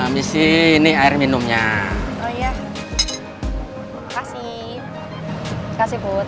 disini air minumnya iya kasih kasih input